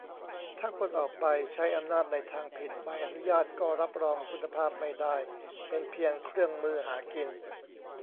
ถ้าคนออกใบใช้อำนาจในทางผิด ใบอนุญาตก็รับรองคุณภาพไม่ได้ เป็นเพียงเครื่องมือหากิน